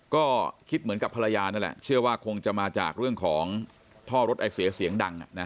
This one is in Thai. ก็คิดเหมือนกับภรรยานั่นแหละเชื่อว่าคงจะมาจากเรื่องของท่อรถไอเสียเสียงดัง